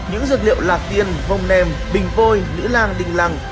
những dược liệu lạc tiên vông nem bình vôi nữ lang đình lăng